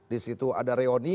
di situ ada reoni